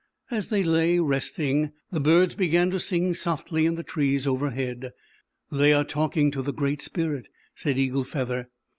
As they lay resting the birds began to sing softly in the trees overhead. "They are talking to the Great Spirit," said Eagle Feather.